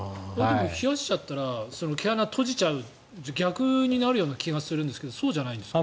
冷やしちゃったら毛穴を閉じちゃう逆になると思うんですがそうじゃないんですか。